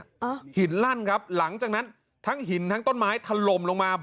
อ่าหินลั่นครับหลังจากนั้นทั้งหินทั้งต้นไม้ถล่มลงมา